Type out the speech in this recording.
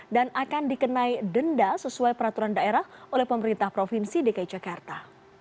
dan akan dikenai denda sesuai peraturan daerah oleh pemerintah provinsi dki jakarta